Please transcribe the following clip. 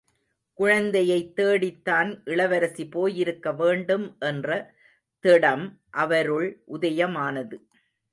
குழந்தையைத் தேடித்தான் இளவரசி போயிருக்க வேண்டும் என்ற திடம் அவருள் உதயமானது.